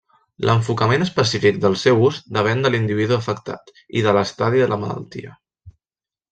L'enfocament específic del seu ús depèn de l'individu afectat i de l'estadi de la malaltia.